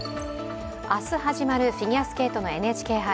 明日始まるフィギュアスケートのＮＨＫ杯。